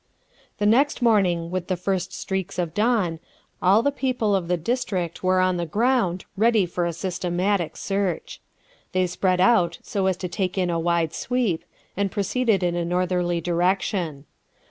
The next morning, with the first streaks of dawn, all the people of the district were on the ground, ready for a systematic search. They spread out so as to take in a wide sweep, and proceeded in a northerly direction.